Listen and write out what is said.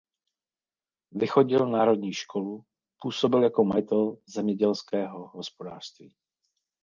Vychodil národní školu působil jako majitel zemědělského hospodářství.